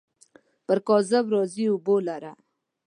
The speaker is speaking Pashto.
پر کاذب راځي اوبو لره.